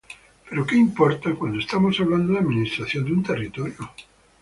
Pero que importa, cuando estamos hablando de administración de un territorio?